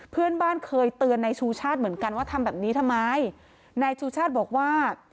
เพื่อนบ้านเคยเตือนนายชูชาติเหมือนกันว่าทำแบบนี้ทำไมนายชูชาติบอกว่า